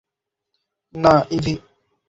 না, ইভি!